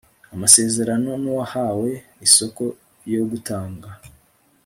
amasezerano n uwahawe isoko yo gutanga